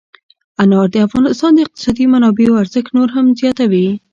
انار د افغانستان د اقتصادي منابعو ارزښت نور هم زیاتوي.